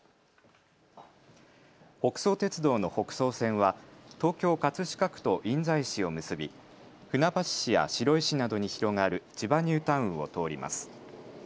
北総鉄道の北総線は東京葛飾区と印西市を結び船橋市や白井市などに広がる千葉ニュータウンを通ります。